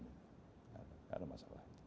tidak ada masalah